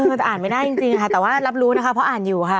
จะอ่านไม่ได้จริงค่ะแต่ว่ารับรู้นะคะเพราะอ่านอยู่ค่ะ